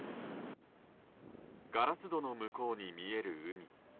ガラス戸の向こうに見える海。